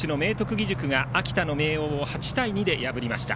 義塾が秋田の明桜を８対２で破りました。